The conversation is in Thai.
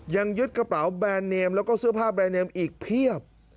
ยังยึดกระป๋าแบรนเนียมและเสื้อผ้าแบรนเนียมอีกเพี้ยว